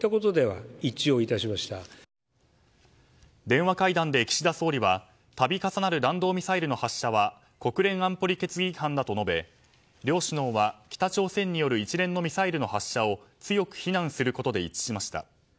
電話会談で岸田総理は度重なる弾道ミサイルの発射は国連安保理決議違反だと述べ両首脳は、北朝鮮による一連のミサイルの発射を強く非難することで一致しました。